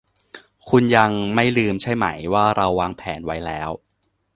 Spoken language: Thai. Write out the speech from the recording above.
คุณยังไม่ลืมใช่ไหมว่าเราวางแผนไว้แล้ว